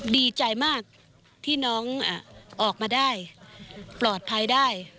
ดีใจมากที่น้องออกมาได้ปลอดภัยได้